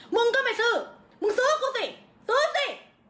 มึงก็ไปซื้อมึงซื้อกูสิซื้อสิ